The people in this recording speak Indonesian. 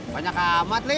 banyak amat lid